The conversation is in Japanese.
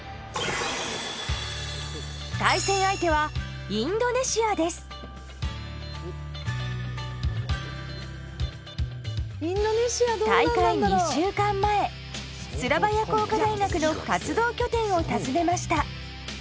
対戦相手は大会２週間前スラバヤ工科大学の活動拠点を訪ねました。